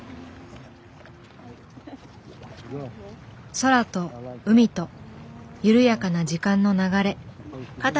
空と海と緩やかな時間の流れ。